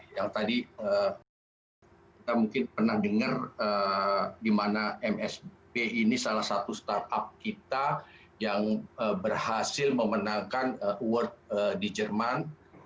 yang tadi kita mungkin pernah dengar di mana msp ini salah satu startup kita yang berhasil memenangkan award di jerman